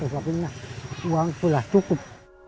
karena uang sudah cukup